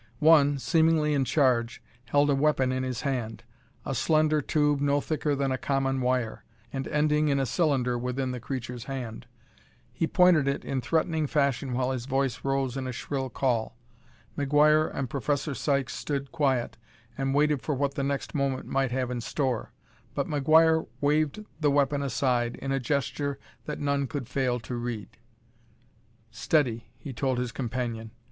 One, seemingly in charge, held a weapon in his hand, a slender tube no thicker than a common wire; and ending in a cylinder within the creature's hand. He pointed it in threatening fashion while his voice rose in a shrill call. McGuire and Professor Sykes stood quiet and waited for what the next moment might have in store, but McGuire waved the weapon aside in a gesture that none could fail to read. "Steady," he told his companion.